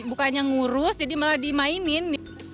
bukannya ngurus jadi malah dimainin